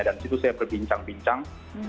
dan di situ saya berbincang bincang